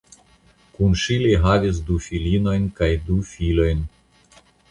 Kun ŝi li havis du filinojn kaj du filojn.